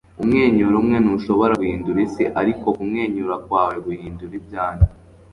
umwenyura umwe ntushobora guhindura isi, ariko kumwenyura kwawe guhindura ibyanjye